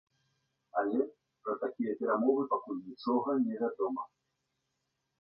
Але пра такія перамовы пакуль нічога не вядома.